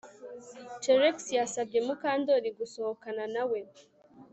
Trix yasabye Mukandoli gusohokana nawe